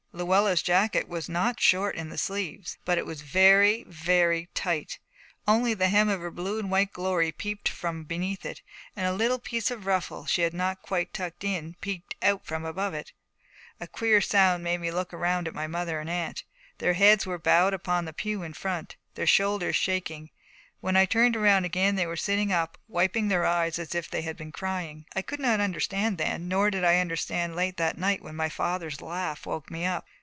Luella's jacket was not short in the sleeves, but it was very very tight. Only the hem of her blue and white glory peeped from beneath it, and a little piece of ruffle she had not quite tucked in peeped out from above it. Luella bowed and spoke her piece. All the teachers and scholars, all the Fathers and Mothers and Friends of the School applauded. A queer sound made me look round at my mother and aunt. Their heads were bowed upon the pew in front. Their shoulders were shaking. When I turned around again they were sitting up, wiping their eyes as if they had been crying. I could not understand then, nor did I understand late that night when my father's laugh woke me up.